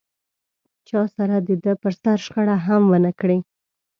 چا سره دده پر سر شخړه هم و نه کړي.